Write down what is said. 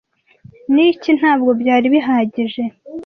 niki ntabwo byari bihagije